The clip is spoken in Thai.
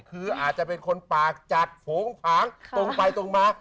คืออาจจะเป็นคนปากจัดโฝงผางตรงไปตรงมา